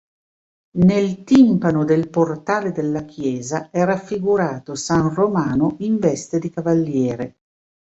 Nel timpano del portale della chiesa è raffigurato san Romano in veste di cavaliere.